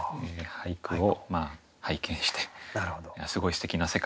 俳句を拝見してすごいすてきな世界だなと。